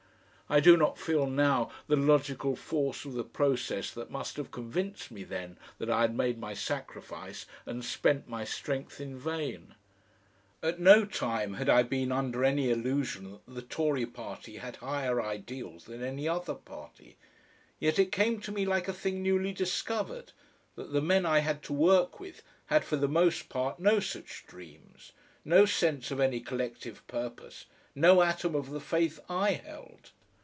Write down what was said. I do not feel now the logical force of the process that must have convinced me then that I had made my sacrifice and spent my strength in vain. At no time had I been under any illusion that the Tory party had higher ideals than any other party, yet it came to me like a thing newly discovered that the men I had to work with had for the most part no such dreams, no sense of any collective purpose, no atom of the faith I held.